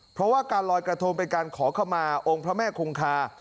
เพราะว่าการลอยกระทงเป็นการขอขมาองค์พระแม่คงคา